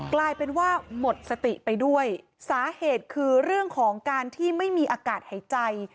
กลายเป็นว่าหมดสติไปด้วยสาเหตุคือเรื่องของการที่ไม่มีอากาศหายใจ